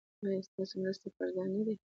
ایا ستاسو مرستې پر ځای نه دي؟